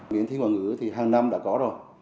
miễn thi ngoại ngữ thì hàng năm đã có rồi